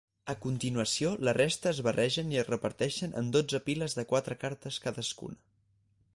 A continuació la resta es barregen i es reparteixen en dotze piles de quatre cartes cadascuna.